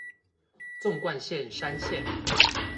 縱貫線山線